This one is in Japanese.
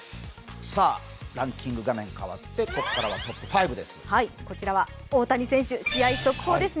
ランキング画面変わってここからはトップ５です。